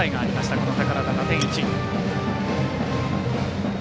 この寳田、打点１。